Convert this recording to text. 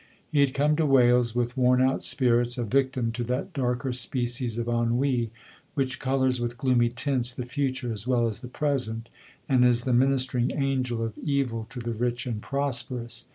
He had come to Wales with worn out spirits, a victim to that darker species of ennui, which colours with gloomy tints the future as well as the present, and is the ministering angel of evil to the rich and prosperous.